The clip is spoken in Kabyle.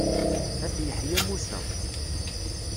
Ayt Yeḥya Musa.